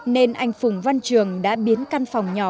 nên anh phùng văn trường đã biến căn phòng nhỏ